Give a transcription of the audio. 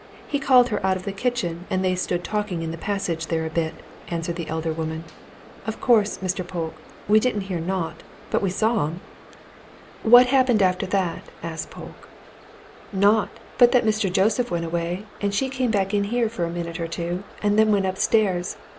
He called her out of the kitchen, and they stood talking in the passage there a bit," answered the elder woman. "Of course, Mr. Polke, we didn't hear naught but we saw 'em." "What happened after that?" asked Polke. "Naught! but that Mr. Joseph went away, and she came back in here for a minute or two and then went upstairs.